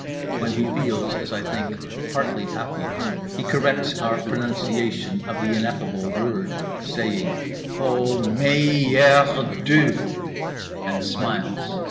When he feels, as I think, partly happy, he corrects our pronunciation of the ineffable Word—saying "O, May err DE!" and smiles.